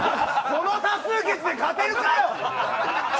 この多数決で勝てるかよ！